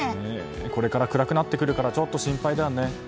これから暗くなってくるからちょっと心配だね。